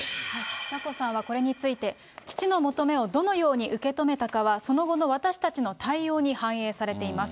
眞子さんはこれについて、父の求めをどのように受け止めたかは、その後の私たちの対応に反映されています。